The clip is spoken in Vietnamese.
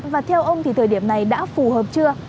và theo ông thì thời điểm này đã phù hợp chưa